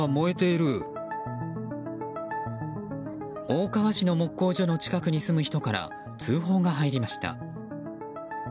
大川市の木工所の近くに住む人から通報が入りました。